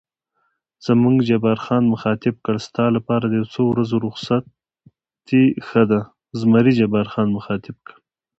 زمري جبار خان مخاطب کړ: ستا لپاره د یو څو ورځو رخصتي ښه ده.